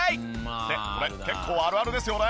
ってこれ結構あるあるですよね。